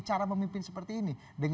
cara memimpin seperti ini